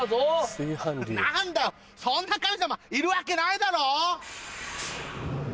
何だよそんな神様いるわけないだろ！